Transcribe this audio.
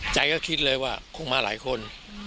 ใจก็คิดเลยว่าคงมาหลายคน